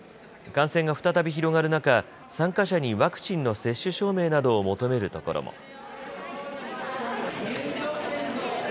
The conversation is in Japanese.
感染が再び広がる中、参加者にワクチンの接種証明などを求めるところも。